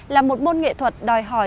là một môn nghệ thuật vẽ trong chai